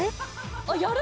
あっやる？